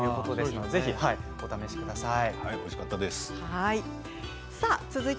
ぜひお試しください。